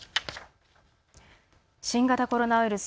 新型コロナウイルス。